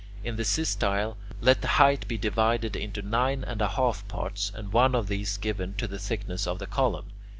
In the systyle, let the height be divided into nine and a half parts, and one of these given to the thickness of the column.